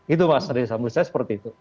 itu mas dari sisi saya seperti itu